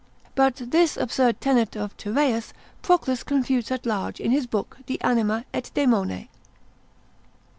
But this absurd tenet of Tyreus, Proclus confutes at large in his book de Anima et daemone.